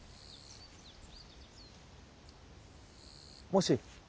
もし。